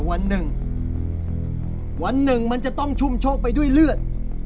วันหนึ่งวันหนึ่งมันจะต้องชุ่มโชคไปด้วยเลือด